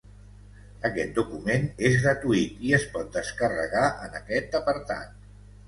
Aquest document és gratuït i es pot descarregar en aquest apartat.